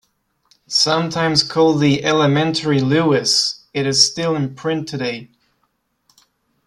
Sometimes called the "Elementary Lewis," it is still in print today.